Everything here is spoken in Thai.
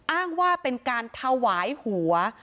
อ้างว่าเป็นการถวายหัว